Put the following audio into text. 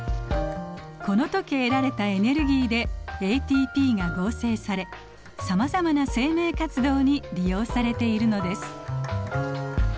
この時得られたエネルギーでＡＴＰが合成されさまざまな生命活動に利用されているのです。